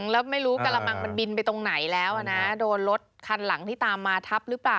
แล้วไม่รู้กระมังมันบินไปตรงไหนแล้วนะโดนรถคันหลังที่ตามมาทับหรือเปล่า